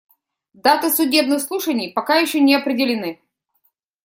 Даты судебных слушаний пока еще не определены.